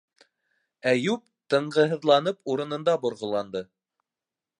- Әйүп тынғыһыҙланып урынында борғоланды.